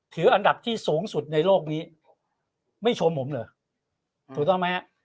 อันดับที่สูงสุดในโลกนี้ไม่ชมผมเหรอถูกต้องไหมฮะ